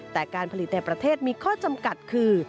แต่การผลิตในประเทศมีข้อจำกัดคือ